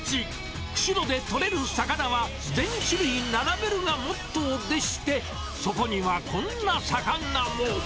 釧路で取れる魚は全種類並べるがモットーでして、そこにはこんな魚も。